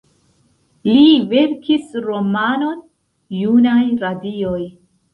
Li verkis romanon, "Junaj radioj".